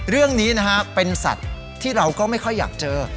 เรื่องนี้นะฮะเป็นสัตว์ที่เราก็ไม่ค่อยอยากเจอ